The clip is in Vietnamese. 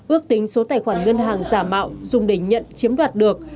ước tính số tài khoản ngân hàng giả mạo dùng để nhận chiếm đoạt được